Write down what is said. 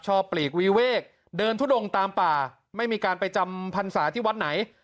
ปลีกวีเวกเดินทุดงตามป่าไม่มีการไปจำพรรษาที่วัดไหน